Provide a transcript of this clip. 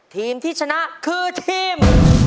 ทีมที่ชนะคือทีม